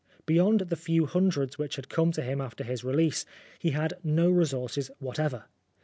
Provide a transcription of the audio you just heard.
Beyond the few hundreds which had come to him after his release, he had no resources whatever.